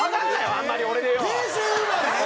あんまり俺でよ。